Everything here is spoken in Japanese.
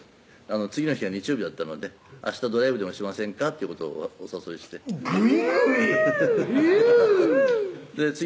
次の日は日曜日だったので「明日ドライブでもしませんか？」ということをお誘いしてグイグイ！